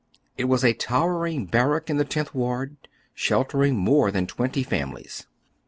It was a towering barrack in the Tenth Ward, sheltering more than twenty families.